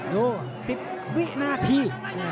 ดู๑๐วินาที